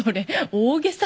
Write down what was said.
大げさ。